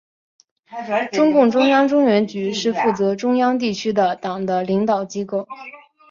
中共中央中原局是负责中央地区的党的领导机构。